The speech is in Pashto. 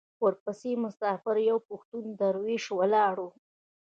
ورپسې مسافر یو پښتون درېشي والا و.